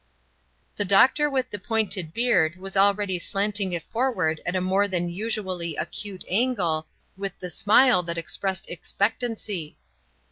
The doctor with the pointed beard was already slanting it forward at a more than usually acute angle, with the smile that expressed expectancy.